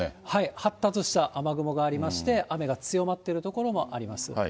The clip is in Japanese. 発達した雨雲がありまして、雨が強まっている所もあります。